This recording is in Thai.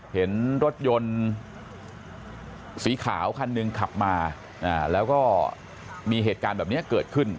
เห็นรถยนต์สีขาวคันหนึ่งขับมาแล้วก็มีเหตุการณ์แบบนี้เกิดขึ้น